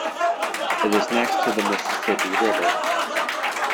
It is next to the Mississippi River.